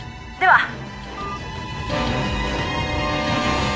では。